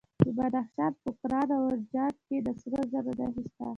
د بدخشان په کران او منجان کې د سرو زرو نښې شته.